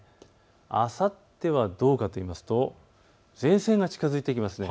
あさってはどうかといいますと前線が近づいてきますね。